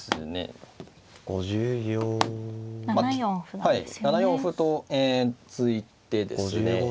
はい７四歩と突いてですね